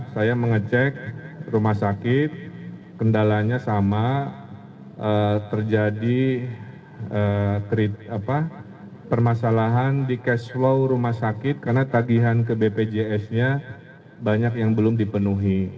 saya mengecek rumah sakit kendalanya sama terjadi permasalahan di cash flow rumah sakit karena tagihan ke bpjs nya banyak yang belum dipenuhi